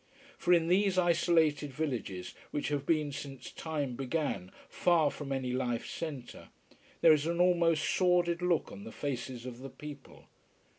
For in these isolated villages, which have been since time began far from any life centre, there is an almost sordid look on the faces of the people.